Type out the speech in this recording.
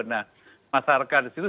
nah masyarakat disitu